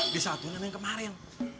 di satu namanya kemarin